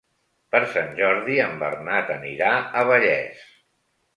Per Sant Jordi en Bernat anirà a Vallés.